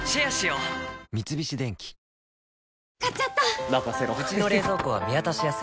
うちの冷蔵庫は見渡しやすい